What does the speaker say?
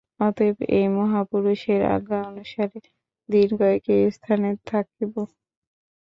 অতএব এই মহাপুরুষের আজ্ঞানুসারে দিন কয়েক এ স্থানে থাকিব।